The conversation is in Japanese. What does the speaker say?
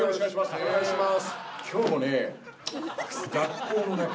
お願いします。